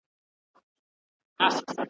افغان اولسه ژوند دي پېغور دی .